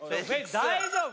大丈夫？